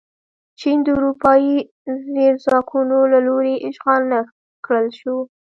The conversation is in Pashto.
چین د اروپايي زبرځواکونو له لوري اشغال نه کړل شو.